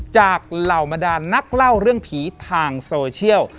เหล่าบรรดานนักเล่าเรื่องผีทางโซเชียล